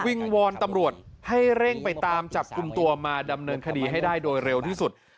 งวอนตำรวจให้เร่งไปตามจับกลุ่มตัวมาดำเนินคดีให้ได้โดยเร็วที่สุด